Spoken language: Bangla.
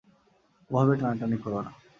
ওভাবে টানাটানি কোরো না!